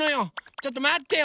ちょっとまってよ！